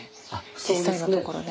実際のところね。